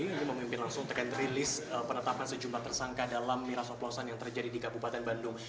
ini memimpin langsung tekan rilis penetapan sejumlah tersangka dalam miras oplosan yang terjadi di kabupaten bandung